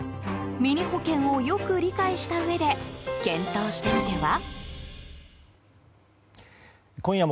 ミニ保険をよく理解したうえで検討してみては。